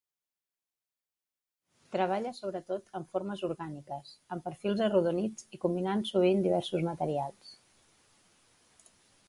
Treballa sobretot amb formes orgàniques, amb perfils arrodonits i combinant sovint diversos materials.